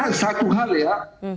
karena satu hal ya